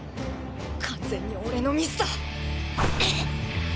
完全に俺のミスだ！